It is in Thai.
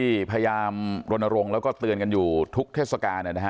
อย่างที่พยายามลดลงและก็เตือนอยู่ทุกเทศกานะฮะ